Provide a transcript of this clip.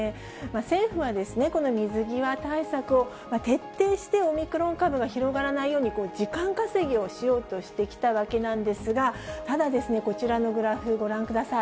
政府はこの水際対策を徹底してオミクロン株が広がらないように時間稼ぎをしようとしてきたわけなんですが、ただ、こちらのグラフ、ご覧ください。